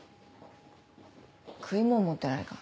食いもん持ってないか？